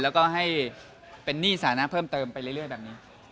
แล้วก็ให้เป็นหนี้สานะเพิ่มเติมไปเรื่อยแบบนี้